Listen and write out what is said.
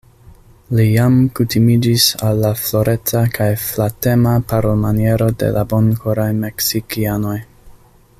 Li jam kutimiĝis al la floreca kaj flatema parolmaniero de la bonkoraj Meksikianoj.